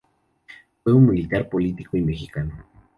Fue un militar, y político mexicano.